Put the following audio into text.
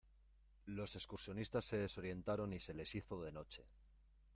Los excursionistas se desorientaron y se les hizo de noche.